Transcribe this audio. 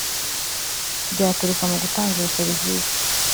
byaturuka mu gutanga izo serivisi